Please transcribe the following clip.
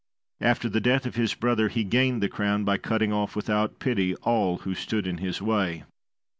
After the death of his brother he gained the crown by cutting off, without pity, all who stood in his way.